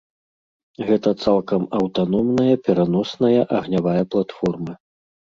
Гэта цалкам аўтаномная пераносная агнявая платформа.